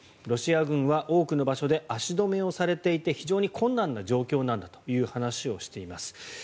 ロシア軍は多くの場所で足止めされていて非常に困難な状況なんだという話をしています。